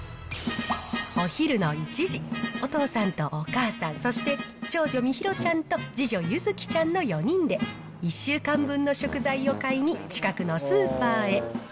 お昼の１時、お父さんとお母さん、そして長女、みひろちゃんと次女、ゆづきちゃんの４人で、１週間分の食材を買いに近くのスーパーへ。